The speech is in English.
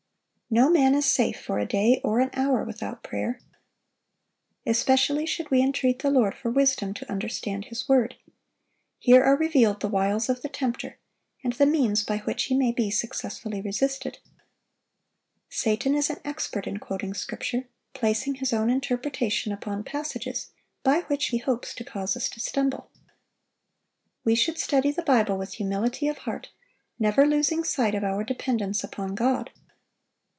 No man is safe for a day or an hour without prayer. Especially should we entreat the Lord for wisdom to understand His word. Here are revealed the wiles of the tempter, and the means by which he may be successfully resisted. Satan is an expert in quoting Scripture, placing his own interpretation upon passages, by which he hopes to cause us to stumble. We should study the Bible with humility of heart, never losing sight of our dependence upon God.